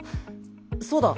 そうだ！